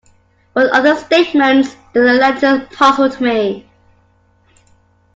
But other statements in the letter puzzled me.